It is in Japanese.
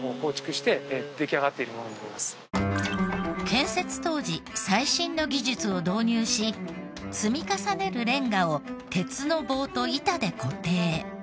建設当時最新の技術を導入し積み重ねるレンガを鉄の棒と板で固定。